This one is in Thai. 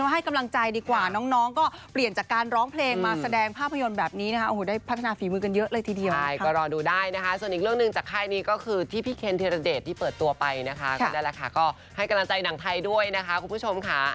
ให้กำลังใจหนังไทยด้วยนะคะคุณผู้ชมค่ะ